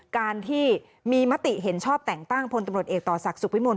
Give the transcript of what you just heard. การที่มีมติเห็นชอบแต่งตั้งพลตำรวจเอกต่อศักดิ์สุขวิมล